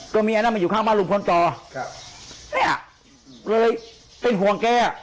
ก็มีน้ำมันอยู่ข้างบ้านลุงพลต่อเป็นห่วงแก้